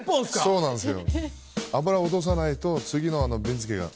そうなんです。